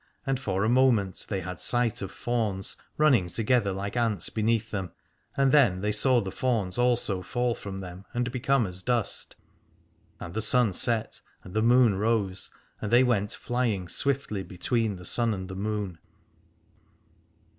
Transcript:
And for a moment they had sight of fauns, running together like ants beneath them : and then they saw the fauns also fall from them and become as dust. And the sun set, and the moon rose, and they went flying swiftly between the sun and the moon.